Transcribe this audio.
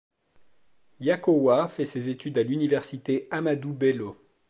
Yakowa fait ses études à l'université Ahmadu Bello.